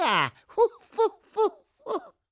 フォッフォッフォッフォッ。